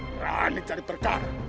berani cari perkara